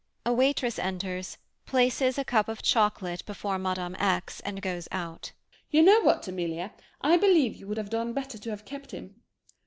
[A waitress enters, places a cup of chocolate before Mme. X. and goes out.] MME. X. You know what, Amelie! I believe you would have done better to have kept him!